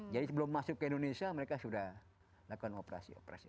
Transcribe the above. jadi sebelum masuk ke indonesia mereka sudah melakukan operasi operasi